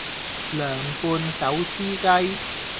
涼拌手撕雞